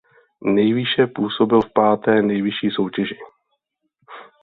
Nejvýše působil v páté nejvyšší soutěži.